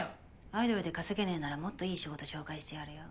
アイドルで稼げねぇならもっといい仕事紹介してやるよ。